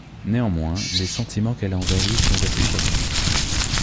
Néanmoins, les sentiments qu'elle a envers lui sont réciproques.